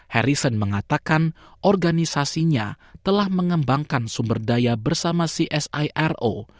harrison mengatakan organisasinya telah mengembangkan sumber daya bersama csiro